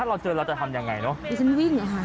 ก็จะมาตีฉัน